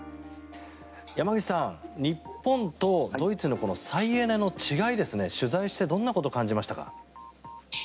山口さん、日本とドイツの再エネの違い、取材してどんなことを感じましたか？